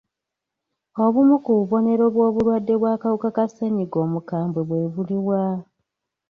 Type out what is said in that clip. Obumu ku bubonero bw'obulwadde obw'akawuka ka ssennyiga omukambwe bwe buliwa?